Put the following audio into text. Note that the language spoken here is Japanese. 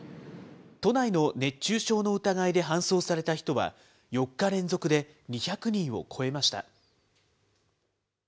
都内の熱中症の疑いで搬送された人は、４日連続で２００人を超えました。